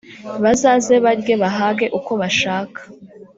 bazaze barye bahage uko bashaka,